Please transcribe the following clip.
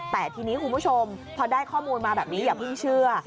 แต่ทีนี้คุณผู้ชมพอได้ข้อมูลมาแบบนี้อย่าเพิ่งเชื่อ